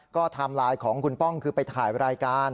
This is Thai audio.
ก็ไทม์ไลน์ของคุณป้องคือไปถ่ายรายการ